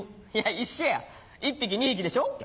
一緒や１匹２匹でしょ？